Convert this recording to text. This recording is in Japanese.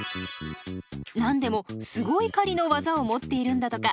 なんでもすごい狩りの技を持っているんだとか。